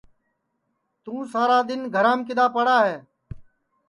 توں سارا دؔن گھرام کِدؔا پڑا ہے